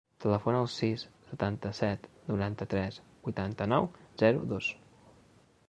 Telefona al sis, setanta-set, noranta-tres, vuitanta-nou, zero, dos.